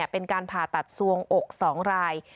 เป็นการผ่าตัดสวงอก๒ราย